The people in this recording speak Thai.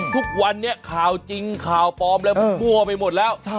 ทุกวันนี้ข่าวจริงข่าวปลอมอะไรมันมั่วไปหมดแล้ว